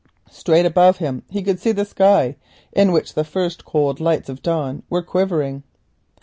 Straight above him he could see the sky, in which the first cold lights of dawn were quivering.